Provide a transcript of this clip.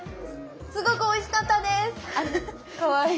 すごくおいしかったです！